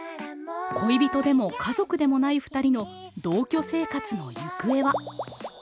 恋人でも家族でもないふたりの同居生活のゆくえは。